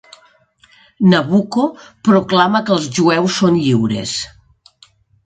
Nabucco proclama que els jueus són lliures.